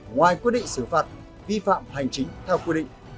ngoài quyết định xử phạt vi phạm hành chính theo quy định